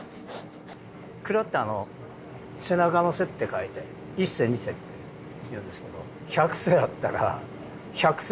鞍って背中の背って書いて１背２背っていうんですけど１００背あったら１００背